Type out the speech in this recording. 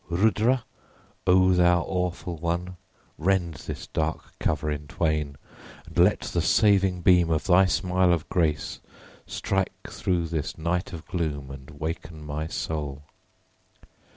_Rudra, O thou awful one, rend this dark cover in twain and let the saving beam of thy smile of grace strike through this night of gloom and waken my soul.